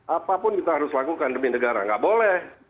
apapun kita harus lakukan demi negara nggak boleh